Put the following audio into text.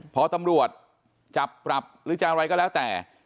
พอตำรวจจับปรับหรือจะอะไรก็แล้วแต่